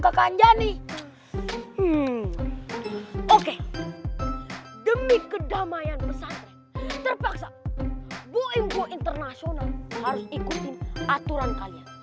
kek anjani oke demi kedamaian terpaksa international harus ikuti aturan kalian